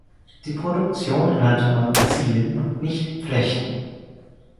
Die Produktion nannte man "Ziehen" und nicht "Flechten".